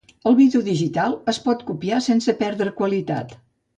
El vídeo digital es pot copiar sense perdre qualitat.